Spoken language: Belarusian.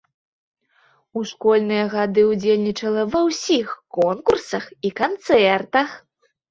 У школьныя гады ўдзельнічала ва ўсіх конкурсах і канцэртах.